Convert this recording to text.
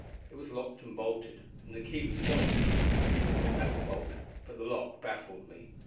It was locked and bolted, and the key was gone. I slid back the bolt, but the lock baffled me.